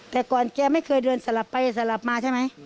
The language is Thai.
แต่ก่อนแกไม่เคยเดินสลับไปสลับมาใช่ไหม